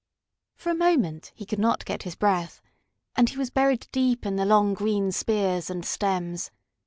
For a moment he could not get his breath, and he was buried deep in the long, green spears and stems.